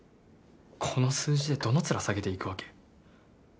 この数字でどの面下げて行くわけ？